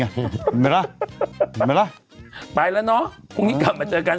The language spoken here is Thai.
เห็นไหมล่ะไปไหมล่ะไปแล้วเนอะพรุ่งนี้กลับมาเจอกัน